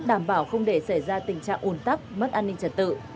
đảm bảo không để xảy ra tình trạng ủn tắc mất an ninh trở tự